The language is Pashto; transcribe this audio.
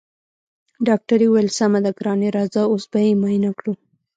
ډاکټرې وويل سمه ده ګرانې راځه اوس به يې معاينه کړو.